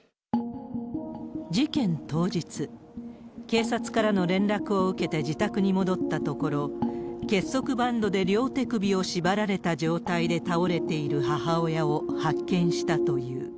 事件当日、警察からの連絡を受けて自宅に戻ったところ、結束バンドで両手首を縛られた状態で倒れている母親を発見したという。